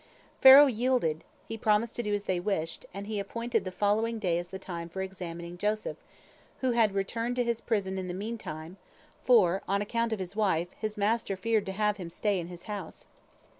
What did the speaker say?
Pharaoh yielded, he promised to do as they wished, and he appointed the following day as the time for examining Joseph, who had returned to his prison in the meantime, for, on account of his wife, his master feared to have him stay in his house.